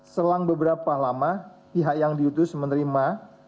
selang beberapa lama pihak yang diutus menerima